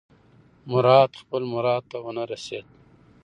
مراد خپل مراد ته ونه رسېد.